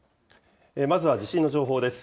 まずは地震の情報です。